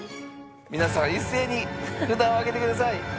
皆さん一斉に札を上げてください。